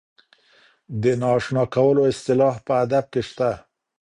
د نااشنا کولو اصطلاح په ادب کې شته.